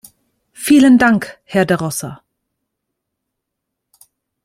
Vielen Dank, Herr De Rossa.